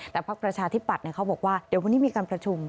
แต่พักประชาธิปัตย์เขาบอกว่าเดี๋ยววันนี้มีการประชุม